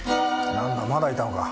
何だまだいたのか。